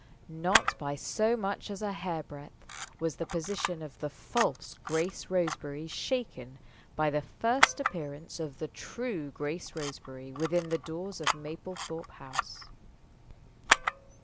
Not by so much as a hair breadth was the position of the false Grace Roseberry shaken by the first appearance of the true Grace Roseberry within the doors of Mablethorpe House.